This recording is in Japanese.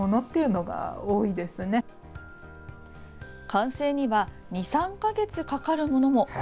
完成には２３か月かかるものも。